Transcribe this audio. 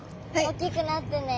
おっきくなってね！